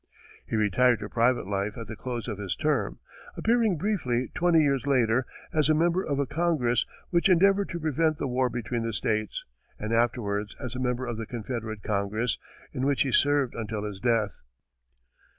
He retired to private life at the close of his term, appearing briefly twenty years later as a member of a "congress" which endeavored to prevent the war between the states, and afterwards as a member of the Confederate Congress, in which he served until his death.